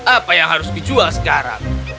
apa yang harus dijual sekarang